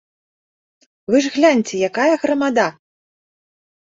Вы ж гляньце, якая грамада.